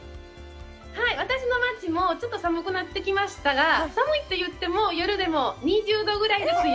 私の街もちょっと寒くなってきましたが、寒いといっても夜でも２０度ぐらいですよ。